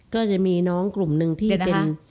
ก็จะมีน้องกลุ่มหนึ่งที่เป็น